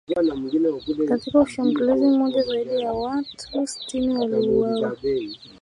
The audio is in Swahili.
Katika shambulizi moja zaidi ya watu sitini waliuawa